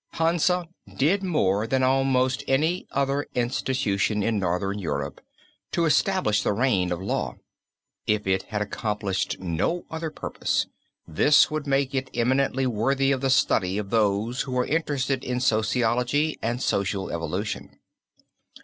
Hansa did more than almost any other institution in northern Europe to establish the reign of Law. If it had accomplished no other purpose, this would make it eminently worthy of the study of those who are interested in sociology and social evolution.